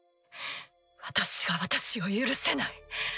私が私を許せない。